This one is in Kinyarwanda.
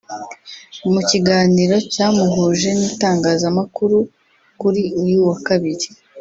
mu kiganiro cyamuhuje n’itangazamakuru kuri uyu wa Kabiri